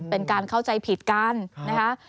เป็นการเข้าใจผิดกันนะคะ